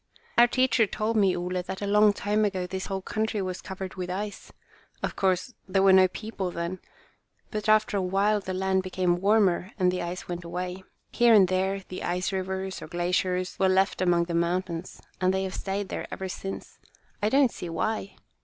"Our teacher told me, Ole, that a long time ago this whole country was covered with ice. Of course, there were no people then. But after a while the land became warmer and the ice went away. Here and there, the ice rivers, or glaciers, were left among the mountains, and they have stayed there ever since. I don't see why."